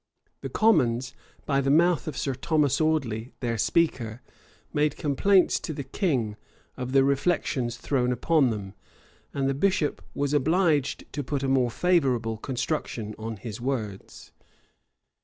The commons, by the mouth of Sir Thomas Audley, their speaker, made complaints to the king of the reflections thrown upon them; and the bishop was obliged to put a more favorable construction on his words.